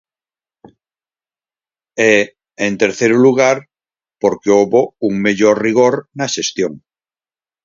E, en terceiro lugar, porque houbo un mellor rigor na xestión.